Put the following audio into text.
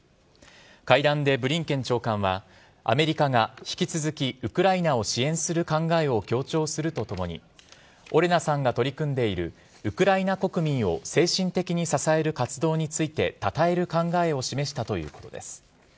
会談でブリンケン長官は、アメリカが引き続きウクライナを支援する考えを強調するとともに、オレナさんが取り組んでいるウクライナ国民を精神的に支える活動についてたたえる考えを示したということです。